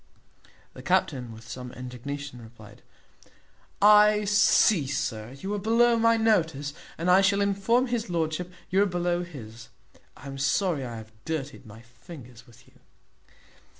The captain, with some indignation, replied, "I see, sir, you are below my notice, and I shall inform his lordship you are below his. I am sorry I have dirtied my fingers with you."